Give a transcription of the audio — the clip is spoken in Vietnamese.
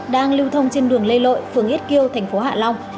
đang lưu thông trên đường lê lợi phường ít kiêu thành phố hạ long